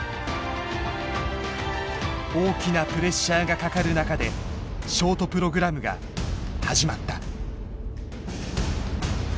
大きなプレッシャーがかかる中でショートプログラムが始まった。